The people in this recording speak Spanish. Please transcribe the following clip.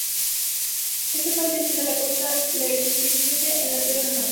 Este país extiende la costa Lars Christensen y la Tierra de Mac.